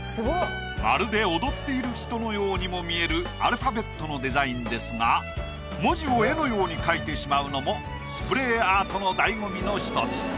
まるで踊っている人のようにも見えるアルファベットのデザインですが文字を絵のように描いてしまうのもスプレーアートの醍醐味の１つ。